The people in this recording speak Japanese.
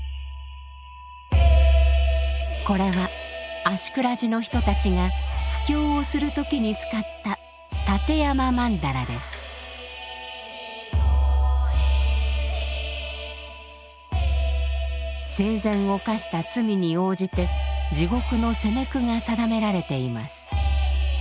これは芦峅寺の人たちが布教をする時に使った生前犯した罪に応じて地獄の責め苦が定められています。